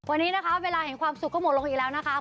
วันนี้นะคะเวลาแห่งความสุขก็หมดลงอีกแล้วนะคะ